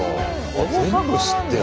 全部知ってる。